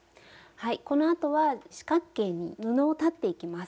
はいこのあとは四角形に布を裁っていきます。